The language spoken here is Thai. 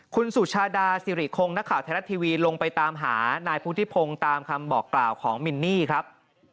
คุณสุชาดาสิริคงนักข่าวไทยรัฐทีวีลงไปตามหานายพุทธิพงศ์ตามคำบอกกล่าวของมินนี่ครับ